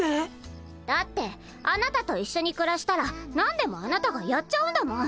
だってあなたと一緒にくらしたら何でもあなたがやっちゃうんだもん。